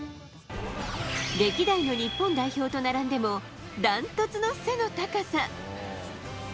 歴代の日本代表と並んでもダントツの背の高さ。